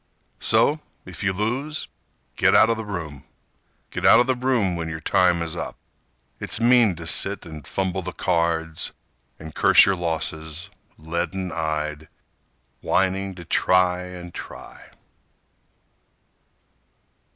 So, if you lose, get out of the room— Get out of the room when your time is up. It's mean to sit and fumble the cards And curse your losses, leaden eyed, Whining to try and try.